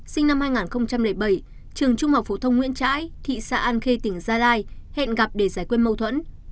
sinh năm hai nghìn bảy trường trung học phổ thông nguyễn trãi thị xã an khê tỉnh gia lai hẹn gặp để giải quyết mâu thuẫn